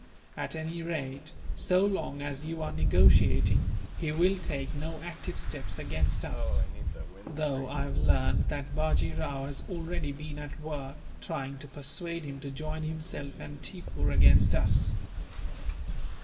At any rate, so long as you are negotiating, he will take no active steps against us; though I have learned that Bajee Rao has already been at work, trying to persuade him to join himself and Tippoo against us.